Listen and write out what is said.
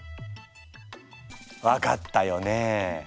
分かったよね？